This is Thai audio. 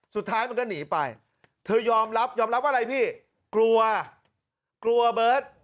สุดท้ายมันก็หนีไปเธอยอมรับยอมรับว่าอะไรพี่กลัวกลัวเบิร์ต